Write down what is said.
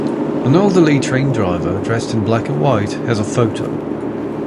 An elderly train driver, dressed in black and white, has a photo.